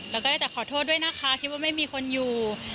แล้วก็ได้แต่ขอโทษด้วยนะคะคิดว่าไม่มีคนอยู่